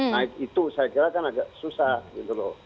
naik itu sajalah kan agak susah gitu loh